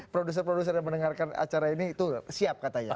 produser produser yang mendengarkan acara ini itu siap katanya